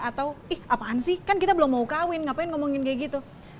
atau ih apaan sih kan kita belum mau kawin ngapain ngomongin kayak gitu